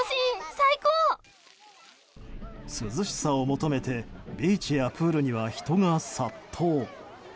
涼しさを求めてビーチやプールには人が殺到。